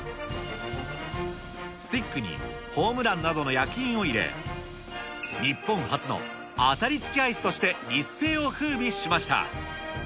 スティックにホームランなどの焼き印を入れ、日本初の当たり付きアイスとして一世をふうびしました。